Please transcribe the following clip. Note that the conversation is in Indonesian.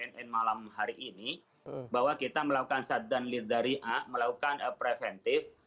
dan malam hari ini bahwa kita melakukan saddan lidari melakukan preventif